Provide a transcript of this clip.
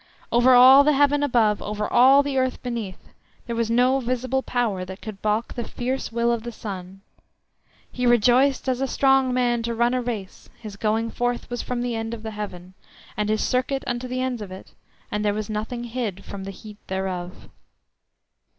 Over all the heaven above, over all the earth beneath, there was no visible power that could balk the fierce will of the sun: "he rejoiced as a strong man to run a race; his going forth was from the end of the heaven, and his circuit unto the ends of it; and there was nothing hid from the heat thereof."